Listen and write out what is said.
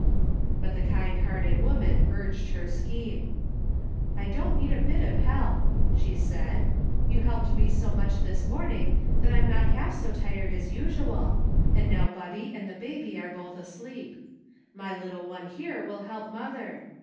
But the kind hearted woman urged her scheme. "I don't need a bit of help," she said; "you helped me so much this morning that I'm not half so tired as usual, and now ♦ Bubby and the baby are both asleep. My little one here will help mother.